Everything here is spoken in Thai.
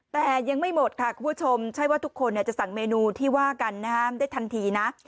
แต่ยังไม่หมดค่ะคุณผู้ชมใช่ว่าทุกคนจะสั่งเมนูที่ว่ากันนะฮะได้ทันทีนะ